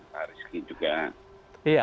pak rizky juga